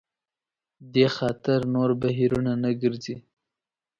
دې خاطر نور بهیرونه نه ګرځي.